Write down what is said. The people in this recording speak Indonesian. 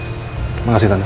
terima kasih tante